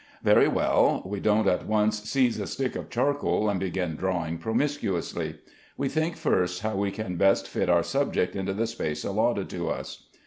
Very well, we don't at once seize a stick of charcoal and begin drawing promiscuously. We think first how we can best fit our subject into the space allotted to us.